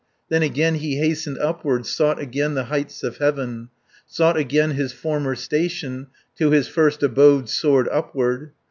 Then again he hastened upward, Sought again the heights of heaven, Sought again his former station, To his first abode soared upward.